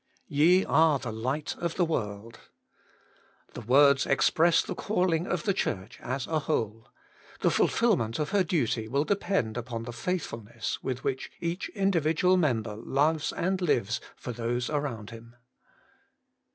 1. ' Ye are the light of the world!' The words express the calling of the Church as a whole. The fulfilment of her duty will depend upon the faithfulness with which each individual member loves and lives for those around him.